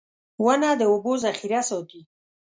• ونه د اوبو ذخېره ساتي.